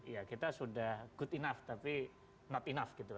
ya kita sudah good enough tapi not enough gitu